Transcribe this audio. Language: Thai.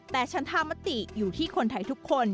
แต่ฉันธามติอยู่ที่คนไทยทุกคน